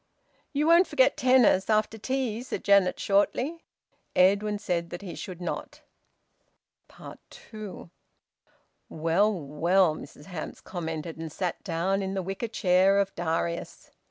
"You won't forget tennis after tea," said Janet shortly. Edwin said that he should not. TWO. "Well, well!" Mrs Hamps commented, and sat down in the wicker chair of Darius.